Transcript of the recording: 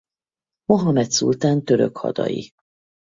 Mohamed szultán török hadai.